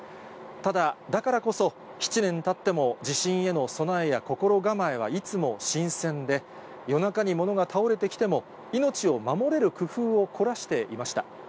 ただ、だからこそ、７年たっても、地震への備えや心構えはいつも新鮮で、夜中に物が倒れてきても、命を守れる工夫を凝らしていました。